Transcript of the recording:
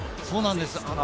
そんなんです。